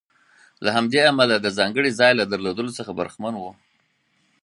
له همدې امله د ځانګړي ځای له درلودلو څخه برخمن و.